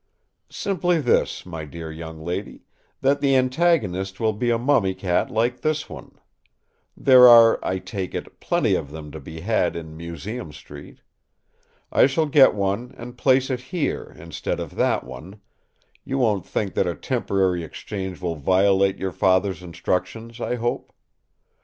"Simply this, my dear young lady, that the antagonist will be a mummy cat like this one. There are, I take it, plenty of them to be had in Museum Street. I shall get one and place it here instead of that one—you won't think that a temporary exchange will violate your Father's instructions, I hope.